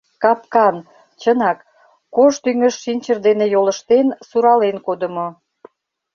Капкан, чынак, кож тӱҥыш шинчыр дене йолыштен, сурален кодымо.